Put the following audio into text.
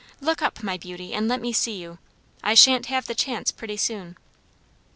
Look up, my beauty, and let me see you. I sha'n't have the chance pretty soon."